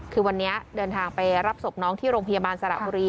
คือวันนี้เดินทางไปรับศพน้องที่โรงพยาบาลสระบุรี